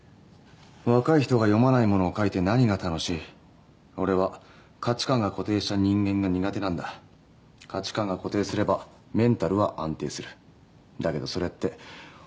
若い人が読まないものを書いて何が楽しい俺は価値観が固定した人間が苦手なん価値観が固定すればメンタルは安定するだけどそれってほかを受け入れづらくするってことにならないか？